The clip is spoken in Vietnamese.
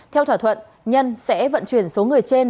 theo thỏa thuận nhân sẽ vận chuyển số người trên